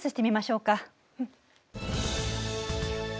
うん。